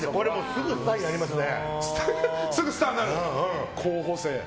すぐスターになりますね。